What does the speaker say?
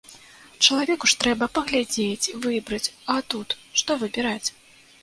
Чалавеку ж трэба паглядзець, выбраць, а тут што выбіраць?